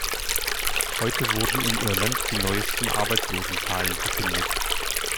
Heute wurden in Irland die neuesten Arbeitslosenzahlen verkündet.